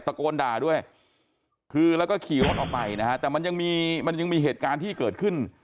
โกนด่าด้วยคือแล้วก็ขี่รถออกไปนะฮะแต่มันยังมีมันยังมีเหตุการณ์ที่เกิดขึ้น